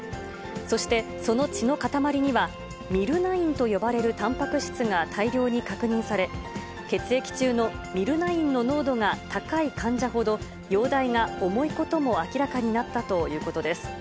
そして、その血の塊には、ミルナインと呼ばれるたんぱく質が大量に確認され、血液中のミルナインの濃度が高い患者ほど、容体が重いことも明らかになったということです。